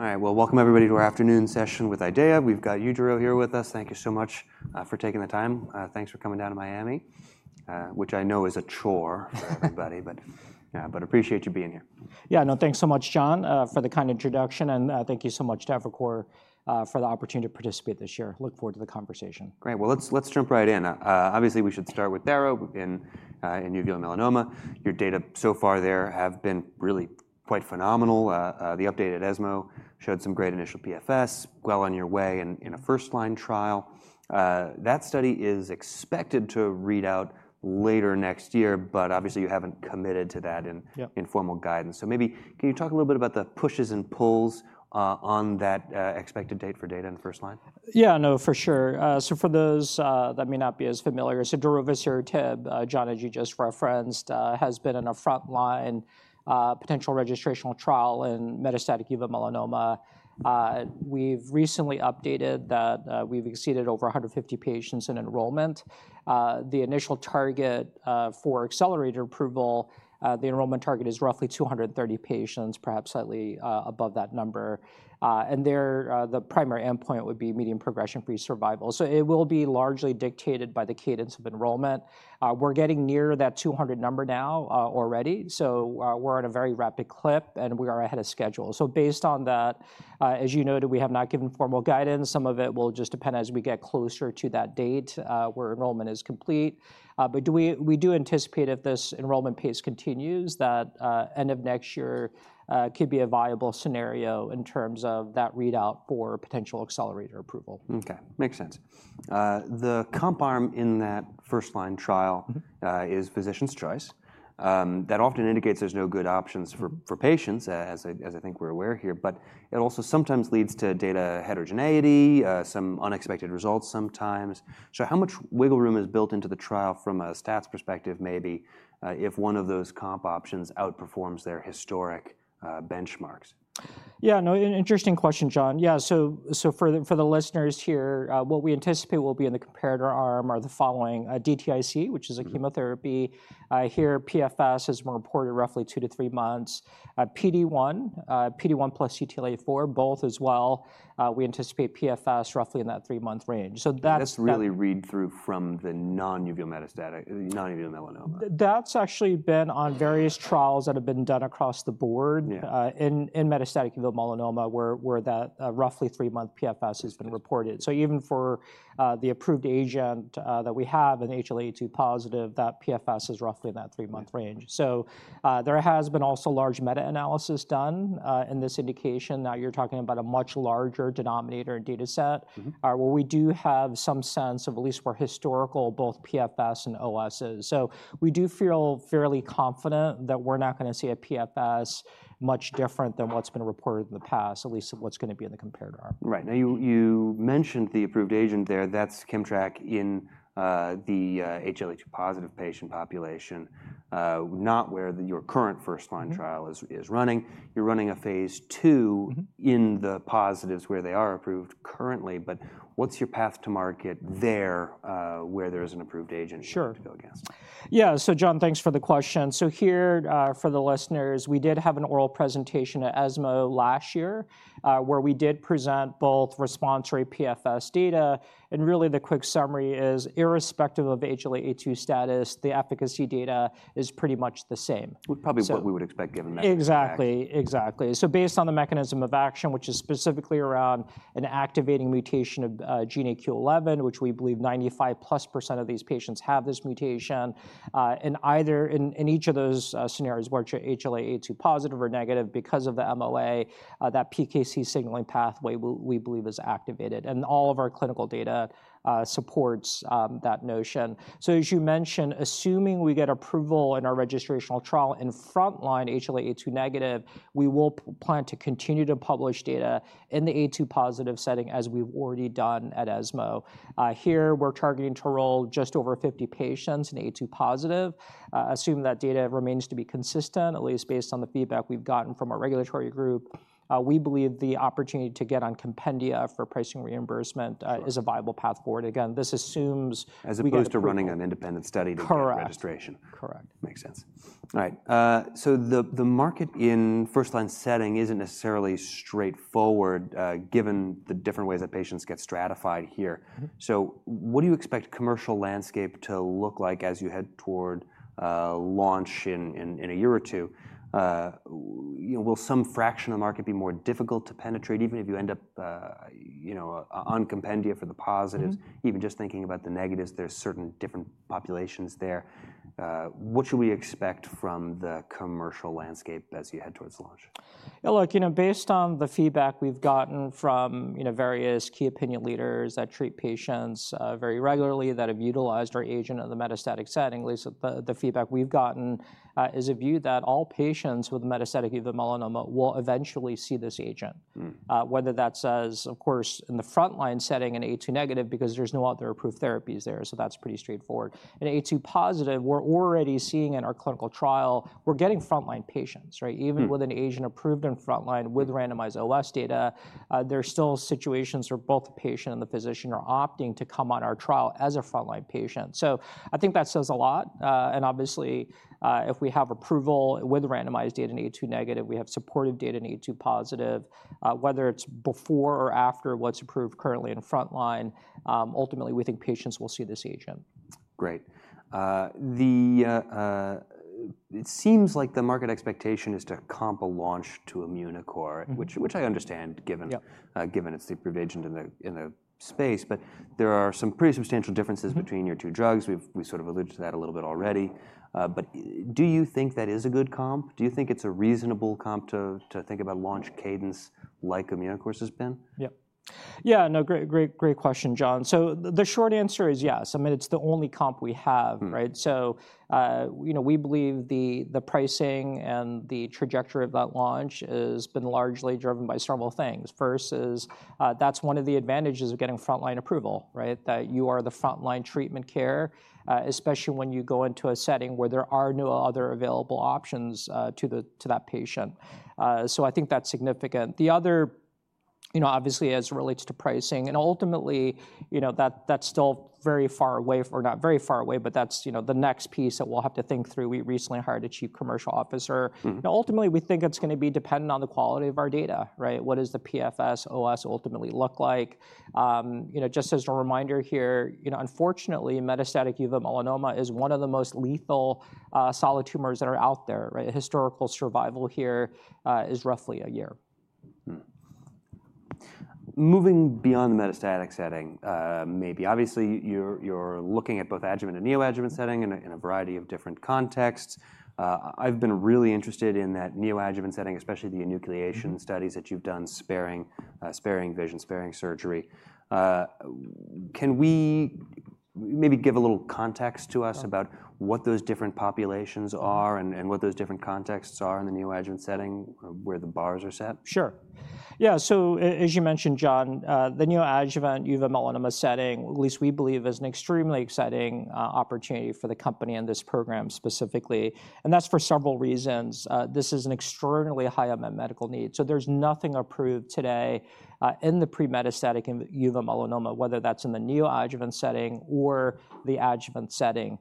All right, well, welcome everybody to our afternoon session with IDEAYA. We've got Yujiro here with us. Thank you so much for taking the time. Thanks for coming down to Miami, which I know is a chore for everybody, but appreciate you being here. Yeah, no, thanks so much, John, for the kind introduction, and thank you so much to Evercore for the opportunity to participate this year. Look forward to the conversation. Great. Well, let's jump right in. Obviously, we should start with Daro in uveal melanoma. Your data so far there have been really quite phenomenal. The update at ESMO showed some great initial PFS, well on your way in a first-line trial. That study is expected to read out later next year, but obviously you haven't committed to that in formal guidance. So maybe can you talk a little bit about the pushes and pulls on that expected date for data in first line? Yeah, no, for sure, so for those that may not be as familiar, so Darovasertib, John, as you just referenced, has been in a front-line potential registration trial in metastatic uveal melanoma. We've recently updated that we've exceeded over 150 patients in enrollment. The initial target for accelerated approval, the enrollment target is roughly 230 patients, perhaps slightly above that number, and there, the primary endpoint would be median progression-free survival, so it will be largely dictated by the cadence of enrollment. We're getting near that 200 number now already, so we're at a very rapid clip, and we are ahead of schedule, so based on that, as you noted, we have not given formal guidance. Some of it will just depend as we get closer to that date where enrollment is complete. But we do anticipate if this enrollment pace continues, that end of next year could be a viable scenario in terms of that readout for potential accelerated approval. Okay, makes sense. The comp arm in that first-line trial is physician's choice. That often indicates there's no good options for patients, as I think we're aware here, but it also sometimes leads to data heterogeneity, some unexpected results sometimes. So how much wiggle room is built into the trial from a stats perspective, maybe, if one of those comp options outperforms their historic benchmarks? Yeah, no, interesting question, John. Yeah, so for the listeners here, what we anticipate will be in the comparator arm are the following: DTIC, which is a chemotherapy here, PFS has been reported roughly two to three months, PD-1, PD-1 plus CTLA-4, both as well. We anticipate PFS roughly in that three-month range. So that's. Let's really read through from the non-uveal melanoma. That's actually been on various trials that have been done across the board in metastatic uveal melanoma where that roughly three-month PFS has been reported. So even for the approved agent that we have in HLA-A2 positive, that PFS is roughly in that three-month range. So there has been also large meta-analysis done in this indication. Now you're talking about a much larger denominator and dataset. Well, we do have some sense of at least where historical both PFS and OS is. So we do feel fairly confident that we're not going to see a PFS much different than what's been reported in the past, at least of what's going to be in the comparator arm. Right. Now you mentioned the approved agent there. That's Kimmtrak in the HLA-A2 positive patient population, not where your current first-line trial is running. You're running a phase 2 in the positives where they are approved currently, but what's your path to market there where there is an approved agent to go against? Sure. Yeah, so John, thanks for the question. So here for the listeners, we did have an oral presentation at ESMO last year where we did present both response rate PFS data. And really the quick summary is irrespective of HLA-A2 status, the efficacy data is pretty much the same. Probably what we would expect given that. Exactly, exactly. So based on the mechanism of action, which is specifically around an activating mutation of GNAQ/GNA11, which we believe 95% of these patients have this mutation, in either in each of those scenarios, whether it's HLA-A2 positive or negative, because of the GNAQ, that PKC signaling pathway we believe is activated. And all of our clinical data supports that notion. So as you mentioned, assuming we get approval in our registrational trial in front-line HLA-A2 negative, we will plan to continue to publish data in the A2 positive setting as we've already done at ESMO. Here we're targeting to enroll just over 50 patients in A2 positive. Assume that data remains to be consistent, at least based on the feedback we've gotten from our regulatory group. We believe the opportunity to get on compendia for pricing reimbursement is a viable path forward. Again, this assumes. As opposed to running an independent study to get registration. Correct, correct. Makes sense. All right. So the market in first-line setting isn't necessarily straightforward given the different ways that patients get stratified here. So what do you expect commercial landscape to look like as you head toward launch in a year or two? Will some fraction of the market be more difficult to penetrate even if you end up on compendia for the positives? Even just thinking about the negatives, there's certain different populations there. What should we expect from the commercial landscape as you head towards launch? Yeah, look, you know, based on the feedback we've gotten from various key opinion leaders that treat patients very regularly that have utilized our agent in the metastatic setting, at least the feedback we've gotten is a view that all patients with metastatic uveal melanoma will eventually see this agent. Whether that says, of course, in the front-line setting in A2 negative because there's no other approved therapies there, so that's pretty straightforward. In A2 positive, we're already seeing in our clinical trial, we're getting front-line patients, right? Even with an agent approved in front-line with randomized OS data, there's still situations where both the patient and the physician are opting to come on our trial as a front-line patient. So I think that says a lot. Obviously, if we have approval with randomized data in A2 negative, we have supportive data in A2 positive, whether it's before or after what's approved currently in front-line, ultimately we think patients will see this agent. Great. It seems like the market expectation is to comp a launch to Immunocore, which I understand given its positioning in the space, but there are some pretty substantial differences between your two drugs. We sort of alluded to that a little bit already. But do you think that is a good comp? Do you think it's a reasonable comp to think about launch cadence like Immunocore's has been? Yeah. Yeah, no, great, great, great question, John. So the short answer is yes. I mean, it's the only comp we have, right? So we believe the pricing and the trajectory of that launch has been largely driven by several things. First is that's one of the advantages of getting front-line approval, right? That you are the front-line treatment care, especially when you go into a setting where there are no other available options to that patient. So I think that's significant. The other, obviously, as it relates to pricing, and ultimately that's still very far away, or not very far away, but that's the next piece that we'll have to think through. We recently hired a Chief Commercial Officer. Ultimately, we think it's going to be dependent on the quality of our data, right? What does the PFS OS ultimately look like? Just as a reminder here, unfortunately, metastatic uveal melanoma is one of the most lethal solid tumors that are out there, right? Historical survival here is roughly a year. Moving beyond the metastatic setting, maybe, obviously you're looking at both adjuvant and neoadjuvant setting in a variety of different contexts. I've been really interested in that neoadjuvant setting, especially the enucleation studies that you've done sparing vision, sparing surgery. Can we maybe give a little context to us about what those different populations are and what those different contexts are in the neoadjuvant setting where the bars are set? Sure. Yeah, so as you mentioned, John, the neoadjuvant uveal melanoma setting, at least we believe, is an extremely exciting opportunity for the company and this program specifically, and that's for several reasons. This is an extraordinarily high amount of medical need, so there's nothing approved today in the pre-metastatic uveal melanoma, whether that's in the neoadjuvant setting or the adjuvant setting.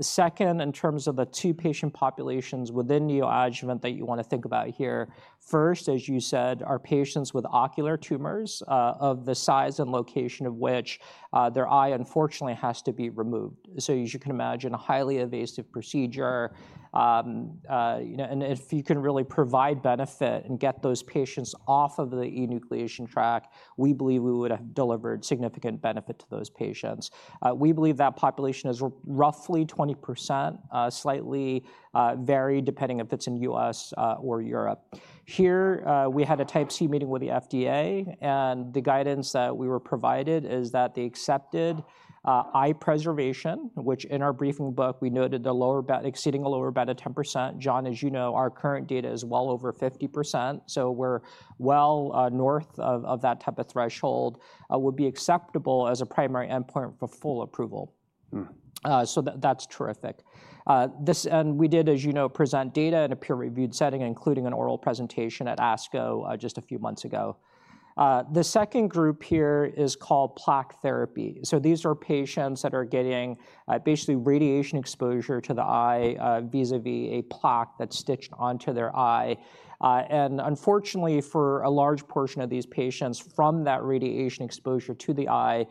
Second, in terms of the two patient populations within neoadjuvant that you want to think about here, first, as you said, are patients with ocular tumors of the size and location of which their eye unfortunately has to be removed, so as you can imagine, a highly invasive procedure, and if you can really provide benefit and get those patients off of the enucleation track, we believe we would have delivered significant benefit to those patients. We believe that population is roughly 20%, slightly varied depending if it's in U.S. or Europe. Here we had a Type C meeting with the FDA, and the guidance that we were provided is that they accepted eye preservation, which in our briefing book, we noted exceeding a lower band of 10%. John, as you know, our current data is well over 50%. So we're well north of that type of threshold would be acceptable as a primary endpoint for full approval. So that's terrific. And we did, as you know, present data in a peer-reviewed setting, including an oral presentation at ASCO just a few months ago. The second group here is called plaque therapy. So these are patients that are getting basically radiation exposure to the eye vis-à-vis a plaque that's stitched onto their eye. Unfortunately, for a large portion of these patients from that radiation exposure to the eye,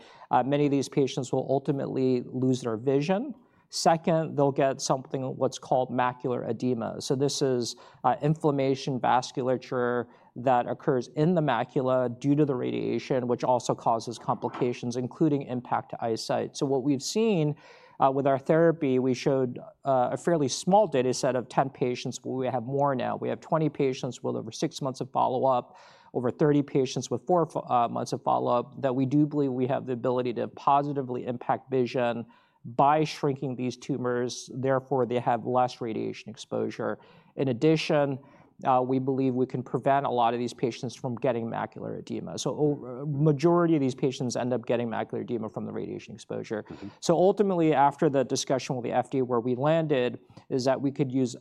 many of these patients will ultimately lose their vision. Second, they'll get something, what's called macular edema. So this is inflammation vasculature that occurs in the macula due to the radiation, which also causes complications, including impact to eyesight. So what we've seen with our therapy, we showed a fairly small dataset of 10 patients, but we have more now. We have 20 patients with over six months of follow-up, over 30 patients with four months of follow-up that we do believe we have the ability to positively impact vision by shrinking these tumors. Therefore, they have less radiation exposure. In addition, we believe we can prevent a lot of these patients from getting macular edema. So the majority of these patients end up getting macular edema from the radiation exposure. So ultimately, after the discussion with the FDA, where we landed is that we could use,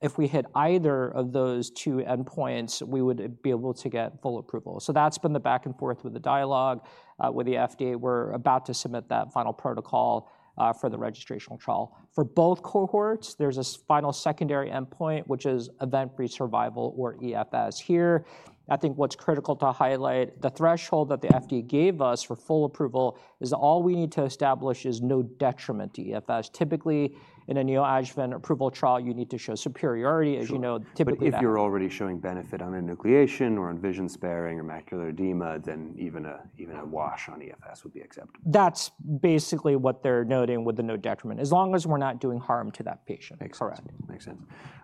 if we hit either of those two endpoints, we would be able to get full approval. So that's been the back and forth with the dialogue with the FDA. We're about to submit that final protocol for the registrational trial. For both cohorts, there's a final secondary endpoint, which is event-free survival or EFS. Here, I think what's critical to highlight, the threshold that the FDA gave us for full approval is all we need to establish is no detriment to EFS. Typically, in a neoadjuvant approval trial, you need to show superiority, as you know, typically. If you're already showing benefit on enucleation or on vision sparing or macular edema, then even a wash on EFS would be acceptable. That's basically what they're noting with the no detriment, as long as we're not doing harm to that patient. Excellent. Makes sense.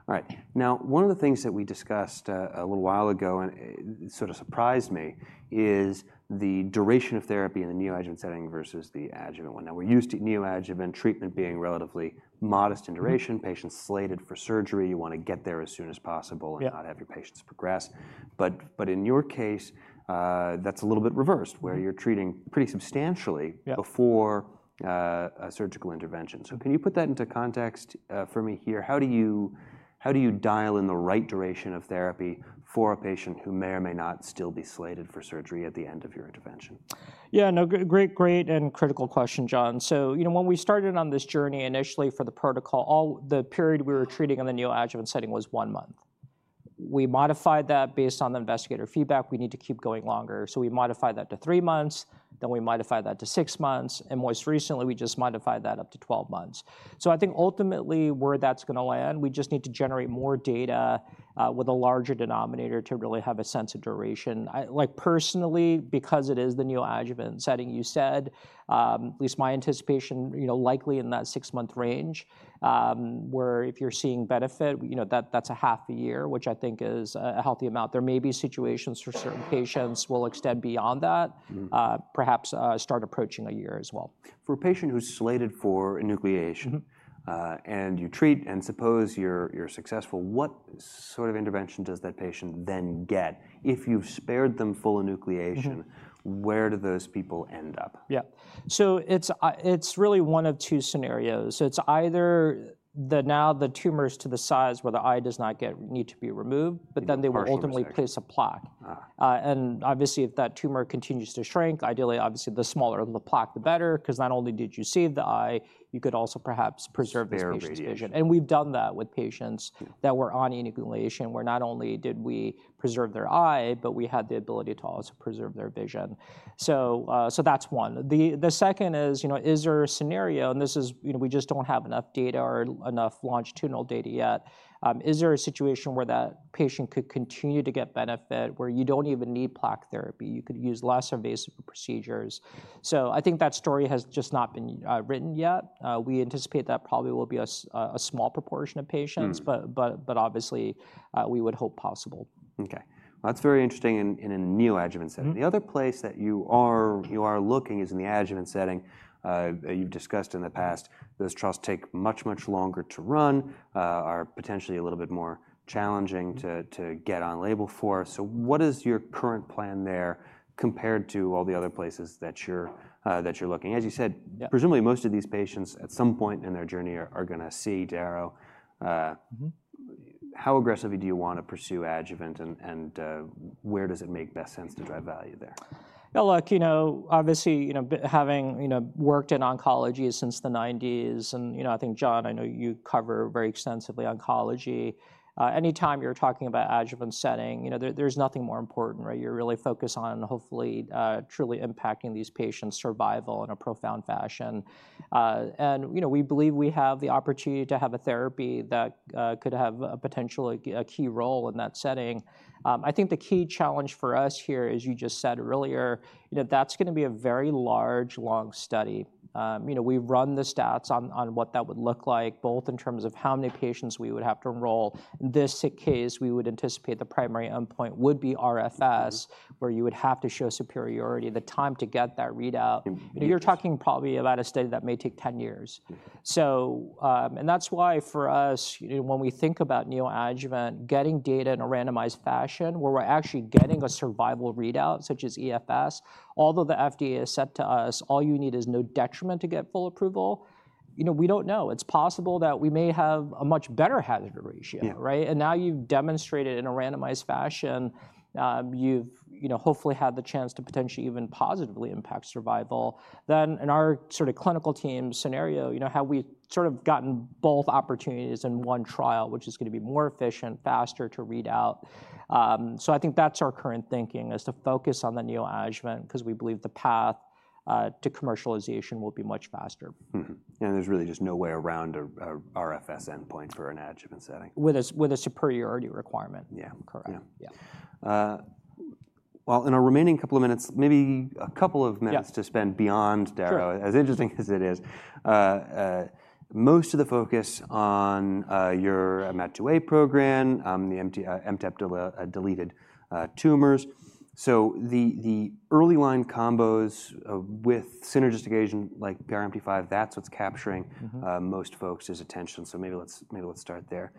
All right. Now, one of the things that we discussed a little while ago and sort of surprised me is the duration of therapy in the neoadjuvant setting versus the adjuvant one. Now, we're used to neoadjuvant treatment being relatively modest in duration. Patients slated for surgery, you want to get there as soon as possible and not have your patients progress. But in your case, that's a little bit reversed where you're treating pretty substantially before a surgical intervention. So can you put that into context for me here? How do you dial in the right duration of therapy for a patient who may or may not still be slated for surgery at the end of your intervention? Yeah, no, great, great and critical question, John. So when we started on this journey initially for the protocol, the period we were treating in the neoadjuvant setting was one month. We modified that based on the investigator feedback. We need to keep going longer. So we modified that to three months, then we modified that to six months. And most recently, we just modified that up to 12 months. So I think ultimately where that's going to land, we just need to generate more data with a larger denominator to really have a sense of duration. Like personally, because it is the neoadjuvant setting you said, at least my anticipation, likely in that six-month range where if you're seeing benefit, that's a half a year, which I think is a healthy amount. There may be situations for certain patients will extend beyond that, perhaps start approaching a year as well. For a patient who's slated for enucleation and you treat and suppose you're successful, what sort of intervention does that patient then get? If you've spared them full enucleation, where do those people end up? Yeah. So it's really one of two scenarios. It's either now the tumor's to the size where the eye does not need to be removed, but then they will ultimately place a plaque. And obviously, if that tumor continues to shrink, ideally, obviously the smaller the plaque, the better, because not only did you save the eye, you could also perhaps preserve the patient's vision. And we've done that with patients that were on enucleation where not only did we preserve their eye, but we had the ability to also preserve their vision. So that's one. The second is, is there a scenario, and this is we just don't have enough data or enough longitudinal data yet. Is there a situation where that patient could continue to get benefit where you don't even need plaque therapy? You could use less invasive procedures. I think that story has just not been written yet. We anticipate that probably will be a small proportion of patients, but obviously we would hope possible. Okay. That's very interesting in a neoadjuvant setting. The other place that you are looking is in the adjuvant setting. You've discussed in the past those trials take much, much longer to run or potentially a little bit more challenging to get on label for. So what is your current plan there compared to all the other places that you're looking? As you said, presumably most of these patients at some point in their journey are going to see Daro. How aggressively do you want to pursue adjuvant and where does it make best sense to drive value there? Yeah, look, you know, obviously having worked in oncology since the '90s, and I think, John, I know you cover very extensively oncology. Anytime you're talking about adjuvant setting, there's nothing more important, right? You're really focused on hopefully truly impacting these patients' survival in a profound fashion. And we believe we have the opportunity to have a therapy that could have potentially a key role in that setting. I think the key challenge for us here is, you just said earlier, that's going to be a very large, long study. We've run the stats on what that would look like, both in terms of how many patients we would have to enroll. In this case, we would anticipate the primary endpoint would be RFS, where you would have to show superiority, the time to get that readout. You're talking probably about a study that may take 10 years. And that's why for us, when we think about neoadjuvant, getting data in a randomized fashion where we're actually getting a survival readout such as EFS, although the FDA has said to us, all you need is no detriment to get full approval, we don't know. It's possible that we may have a much better hazard ratio, right? And now you've demonstrated in a randomized fashion, you've hopefully had the chance to potentially even positively impact survival. Then in our sort of clinical team scenario, have we sort of gotten both opportunities in one trial, which is going to be more efficient, faster to read out? So I think that's our current thinking is to focus on the neoadjuvant because we believe the path to commercialization will be much faster. There's really just no way around RFS endpoint for an adjuvant setting. With a superiority requirement. Yeah. Correct. In our remaining couple of minutes, maybe a couple of minutes to spend beyond Daro, as interesting as it is. Most of the focus on your MAT2A program, the MTAP-deleted tumors. So the first-line combos with synergistic agent like PRMT5, that's what's capturing most folks' attention. So maybe let's start there.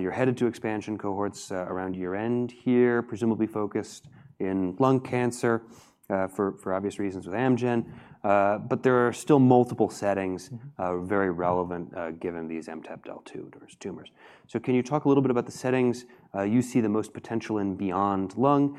You're headed to expansion cohorts around year-end here, presumably focused in lung cancer for obvious reasons with Amgen. But there are still multiple settings very relevant given these MTAP-deleted tumors. So can you talk a little bit about the settings you see the most potential in beyond lung?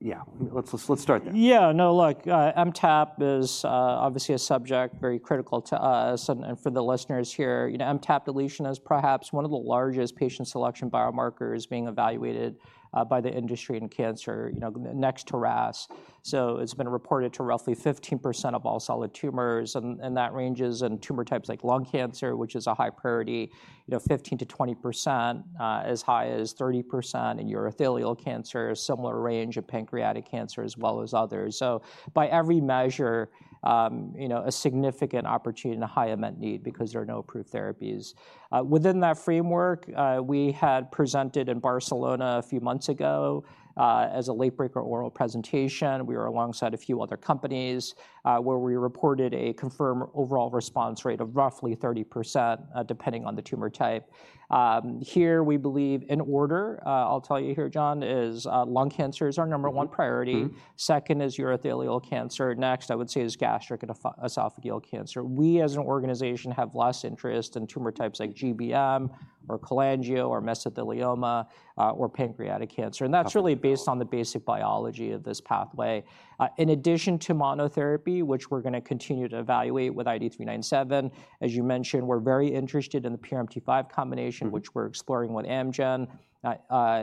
Yeah, let's start there. Yeah. No, look, MTAP is obviously a subject very critical to us. And for the listeners here, MTAP deletion is perhaps one of the largest patient selection biomarkers being evaluated by the industry in cancer, next to RAS. So it's been reported to roughly 15% of all solid tumors. And that ranges in tumor types like lung cancer, which is a high priority, 15%-20%, as high as 30% in urothelial cancer, similar range of pancreatic cancer as well as others. So by every measure, a significant opportunity and a high unmet need because there are no approved therapies. Within that framework, we had presented in Barcelona a few months ago as a late breaker oral presentation. We were alongside a few other companies where we reported a confirmed overall response rate of roughly 30% depending on the tumor type. Here we believe in order. I'll tell you here, John, is lung cancer our number one priority. Second is urothelial cancer. Next, I would say, is gastric and esophageal cancer. We, as an organization, have less interest in tumor types like GBM or cholangio or mesothelioma or pancreatic cancer, and that's really based on the basic biology of this pathway. In addition to monotherapy, which we're going to continue to evaluate with IDE397, as you mentioned, we're very interested in the PRMT5 combination, which we're exploring with Amgen.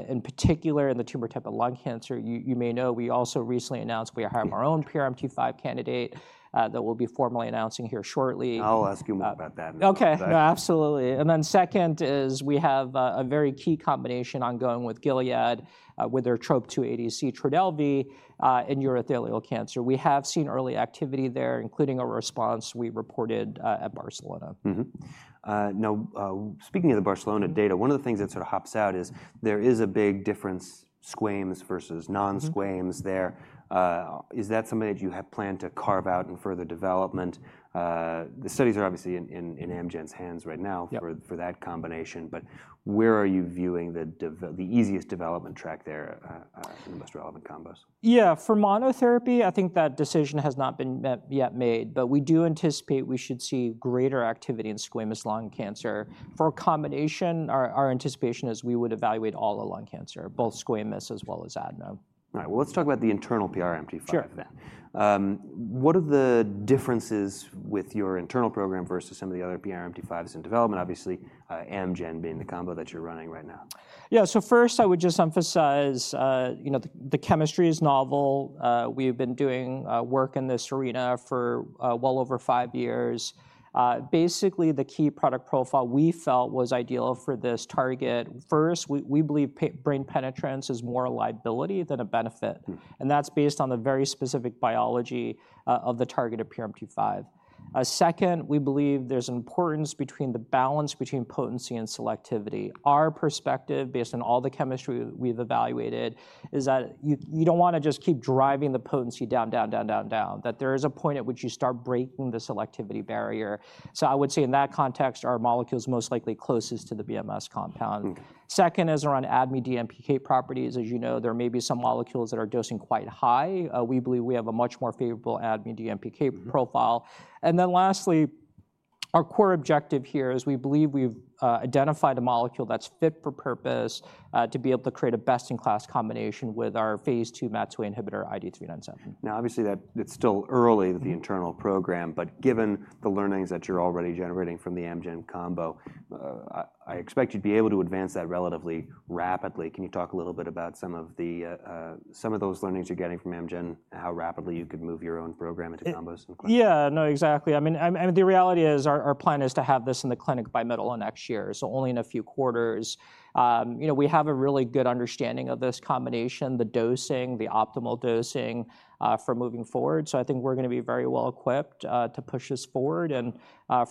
In particular, in the tumor type of lung cancer, you may know we also recently announced we have our own PRMT5 candidate that we'll be formally announcing here shortly. I'll ask you more about that. Okay. No, absolutely. And then second is we have a very key combination ongoing with Gilead with their Trop-2 ADC Trodelvy in urothelial cancer. We have seen early activity there, including a response we reported at Barcelona. Now, speaking of the Barcelona data, one of the things that sort of pops out is there is a big difference, squamous versus non-squamous there. Is that something that you have planned to carve out in further development? The studies are obviously in Amgen's hands right now for that combination. But where are you viewing the easiest development track there in the most relevant combos? Yeah, for monotherapy, I think that decision has not yet been made. But we do anticipate we should see greater activity in squamous lung cancer. For a combination, our anticipation is we would evaluate all the lung cancer, both squamous as well as adeno. All right. Well, let's talk about the internal PRMT5 then. What are the differences with your internal program versus some of the other PRMT5s in development, obviously Amgen being the combo that you're running right now? Yeah. So first, I would just emphasize the chemistry is novel. We've been doing work in this arena for well over five years. Basically, the key product profile we felt was ideal for this target. First, we believe brain penetrance is more a liability than a benefit. And that's based on the very specific biology of the targeted PRMT5. Second, we believe there's an importance between the balance between potency and selectivity. Our perspective, based on all the chemistry we've evaluated, is that you don't want to just keep driving the potency down, down, down, down, down, that there is a point at which you start breaking the selectivity barrier. So I would say in that context, our molecule is most likely closest to the BMS compound. Second is around ADME DMPK properties. As you know, there may be some molecules that are dosing quite high. We believe we have a much more favorable ADME DMPK profile. And then lastly, our core objective here is we believe we've identified a molecule that's fit for purpose to be able to create a best-in-class combination with our phase 2 MAT2A inhibitor IDE397. Now, obviously, it's still early with the internal program, but given the learnings that you're already generating from the Amgen combo, I expect you'd be able to advance that relatively rapidly. Can you talk a little bit about some of those learnings you're getting from Amgen and how rapidly you could move your own program into combos in clinic? Yeah, no, exactly. I mean, the reality is our plan is to have this in the clinic by middle of next year, so only in a few quarters. We have a really good understanding of this combination, the dosing, the optimal dosing for moving forward. So I think we're going to be very well equipped to push this forward. And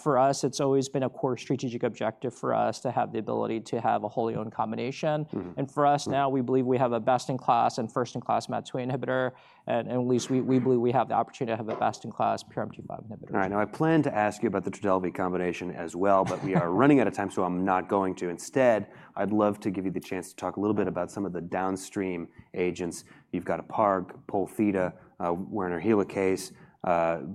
for us, it's always been a core strategic objective for us to have the ability to have a wholly owned combination. And for us now, we believe we have a best-in-class and first-in-class MAT2A inhibitor. And at least we believe we have the opportunity to have a best-in-class PRMT5 inhibitor. All right. Now, I plan to ask you about the Trodelvy combination as well, but we are running out of time, so I'm not going to. Instead, I'd love to give you the chance to talk a little bit about some of the downstream agents. You've got a PARG, Pol Theta, Werner helicase.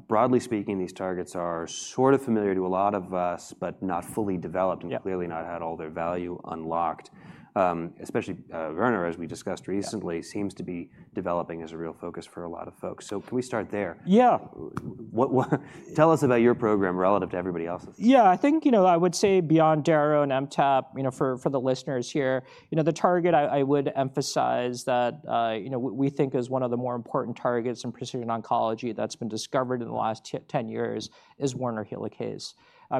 Broadly speaking, these targets are sort of familiar to a lot of us, but not fully developed and clearly not had all their value unlocked. Especially Werner, as we discussed recently, seems to be developing as a real focus for a lot of folks. So can we start there? Yeah. Tell us about your program relative to everybody else's? Yeah, I think I would say beyond Daro and MTAP, for the listeners here, the target I would emphasize that we think is one of the more important targets in precision oncology that's been discovered in the last 10 years is Werner helicase.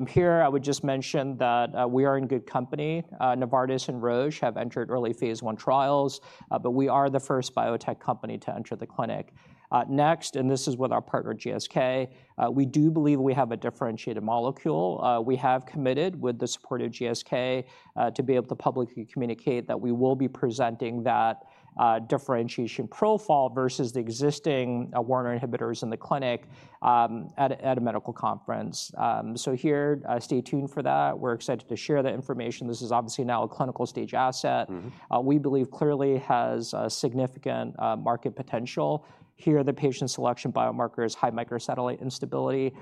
Here, I would just mention that we are in good company. Novartis and Roche have entered early phase one trials, but we are the first biotech company to enter the clinic. Next, and this is with our partner GSK, we do believe we have a differentiated molecule. We have committed with the support of GSK to be able to publicly communicate that we will be presenting that differentiation profile versus the existing Werner inhibitors in the clinic at a medical conference. So here, stay tuned for that. We're excited to share that information. This is obviously now a clinical stage asset. We believe clearly has significant market potential. Here, the patient selection biomarker is high microsatellite instability,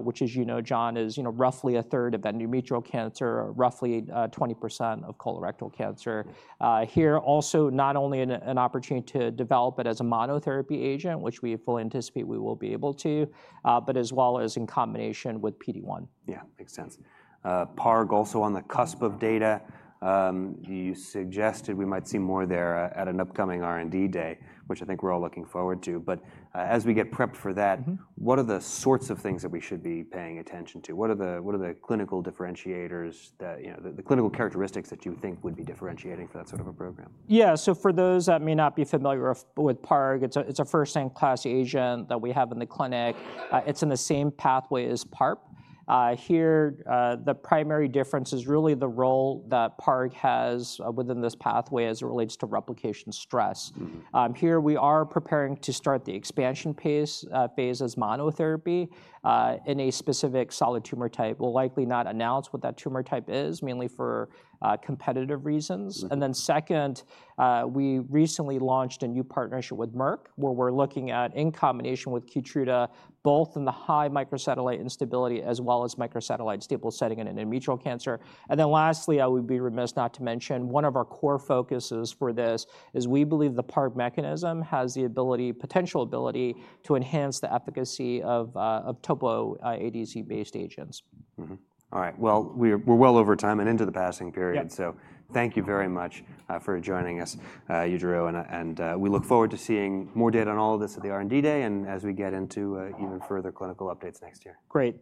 which, as you know, John, is roughly a third of endometrial cancer, roughly 20% of colorectal cancer. Here, also not only an opportunity to develop it as a monotherapy agent, which we fully anticipate we will be able to, but as well as in combination with PD-1. Yeah, makes sense. PARG also on the cusp of data. You suggested we might see more there at an upcoming R&D day, which I think we're all looking forward to. But as we get prepped for that, what are the sorts of things that we should be paying attention to? What are the clinical differentiators, the clinical characteristics that you think would be differentiating for that sort of a program? Yeah. So for those that may not be familiar with PARG, it's a first-in-class agent that we have in the clinic. It's in the same pathway as PARP. Here, the primary difference is really the role that PARG has within this pathway as it relates to replication stress. Here, we are preparing to start the expansion phase as monotherapy in a specific solid tumor type. We'll likely not announce what that tumor type is, mainly for competitive reasons. And then second, we recently launched a new partnership with Merck, where we're looking at in combination with Keytruda, both in the high microsatellite instability as well as microsatellite stable setting in endometrial cancer. And then lastly, I would be remiss not to mention one of our core focuses for this is we believe the PARG mechanism has the ability, potential ability to enhance the efficacy of Topo ADC-based agents. All right. Well, we're well over time and into the passing period. So thank you very much for joining us, Yujiro. And we look forward to seeing more data on all of this at the R&D day and as we get into even further clinical updates next year. Great.